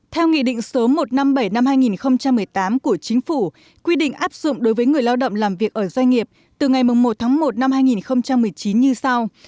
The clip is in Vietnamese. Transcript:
theo nghị định số một trăm năm mươi bảy năm hai nghìn một mươi tám của chính phủ quy định áp dụng đối với người lao động làm việc ở doanh nghiệp từ ngày một tháng một năm hai nghìn một mươi chín như sau